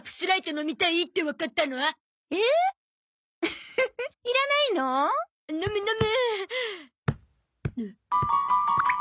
飲む飲む。